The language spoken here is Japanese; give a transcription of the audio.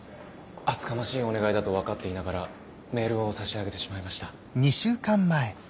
厚かましいお願いだと分かっていながらメールを差し上げてしまいました。